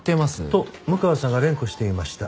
と六川さんが連呼していました。